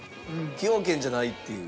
崎陽軒じゃないっていう？